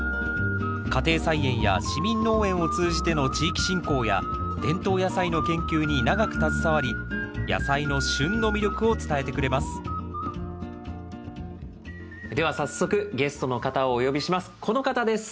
家庭菜園や市民農園を通じての地域振興や伝統野菜の研究に長く携わり野菜の旬の魅力を伝えてくれますでは早速ゲストの方をお呼びします。